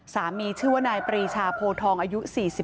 ชื่อว่านายปรีชาโพทองอายุ๔๒